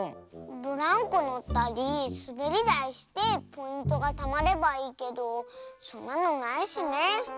ブランコのったりすべりだいしてポイントがたまればいいけどそんなのないしね。